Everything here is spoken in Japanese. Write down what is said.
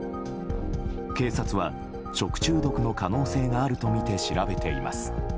警察は食中毒の可能性があるとみて調べています。